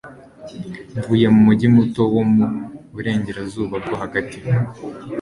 Mvuye mu mujyi muto wo mu burengerazuba bwo hagati.